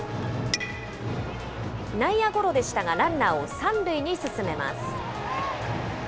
内野ゴロでしたが、ランナーを３塁に進めます。